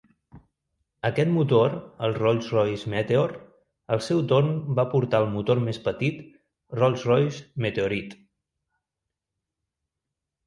Aquest motor, el Rolls-Royce Meteor, al seu torn va portar al motor més petit Rolls-Royce Meteorite.